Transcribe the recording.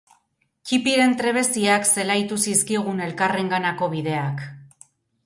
Ttipiren trebeziak zelaitu zizkigun elkarrenganako bideak.